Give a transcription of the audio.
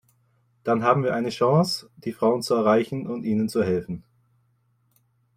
Dann haben wir eine Chance, die Frauen zu erreichen und ihnen zu helfen.